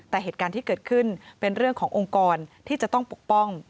แต่เหตุการณ์ที่เกิดขึ้นเป็นเรื่องขององค์กรที่จะต้องปกป้อง